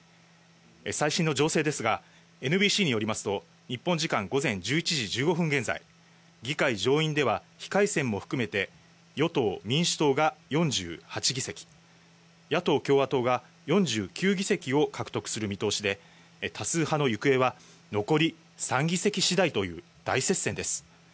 最新の情勢ですが、ＮＢＣによりますと、日本時間午前１１時１５分現在、議会上院では非改選も含めて、与党・民主党が４８議席、野党・共和党が４９議席を獲得する見通しで、多数派の行方は残り３議席次第という大接戦です。